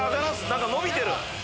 何か延びてる！